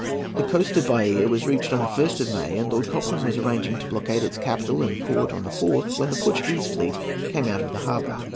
The coast of Bahia was reached on the 1st of May, and Lord Cochrane was arranging to blockade its capital and port, on the 4th, when the Portuguese fleet came out of the harbour.